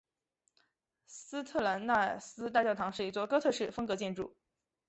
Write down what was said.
斯特兰奈斯大教堂是一座哥特式风格建筑。